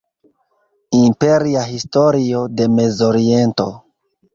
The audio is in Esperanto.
Imperia Historio de Mezoriento.